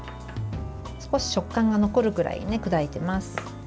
少し食感が残るくらい砕いています。